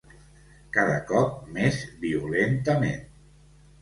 Cada cop més violentament.